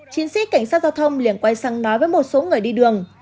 chiến sĩ cảnh sát giao thông liền quay sang nói với một số người đi đường